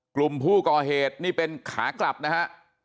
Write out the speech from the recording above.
กลุ่มผู้ก่อเหตุนี่เป็นขากลับนะฮะ